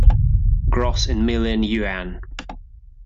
Gross in million yuan.